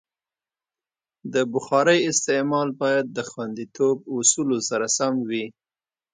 د بخارۍ استعمال باید د خوندیتوب اصولو سره سم وي.